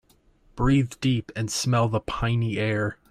Breathe deep and smell the piny air.